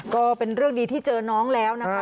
ก็เป็นเรื่องดีที่เจอน้องแล้วนะคะ